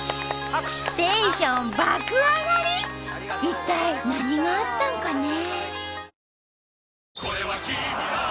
一体何があったんかね？